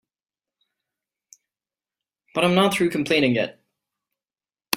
But I'm not through complaining yet.